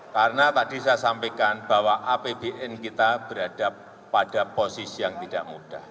karena tadi saya sampaikan bahwa apbn kita berada pada posisi yang tidak mudah